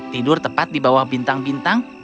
tidur tepat di bawah bintang bintang